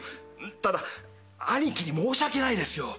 ただ兄貴に申し訳ないですよ。